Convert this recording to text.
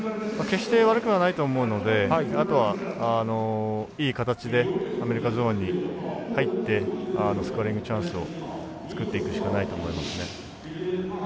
決して悪くはないと思うのであとはいい形でアメリカのゾーンに入ってスコアリングチャンスを作っていくしかないと思いますね。